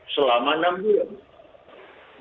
selama enam bulan